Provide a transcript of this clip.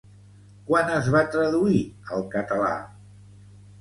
Quan es va traduir al català?